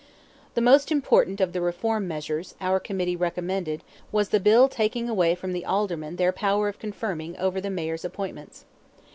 The most important of the reform measures our committee recommended was the bill taking away from the Aldermen their power of confirmation over the Mayor's appointments.